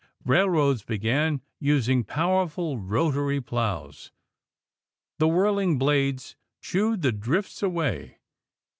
Railroads began using powerful rotary plows. The whirling blades chewed the drifts away.